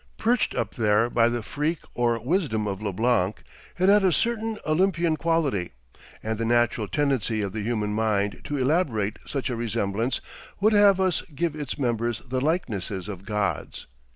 Perched up there by the freak or wisdom of Leblanc, it had a certain Olympian quality, and the natural tendency of the human mind to elaborate such a resemblance would have us give its members the likenesses of gods.